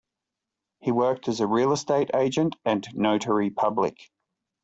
He worked as a real estate agent and Notary Public.